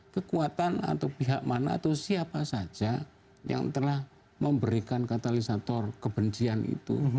kekuatan atau pihak mana atau siapa saja yang telah memberikan katalisator kebencian itu